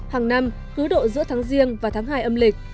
hàng năm hứa độ giữa tháng giêng và tháng hai âm lịch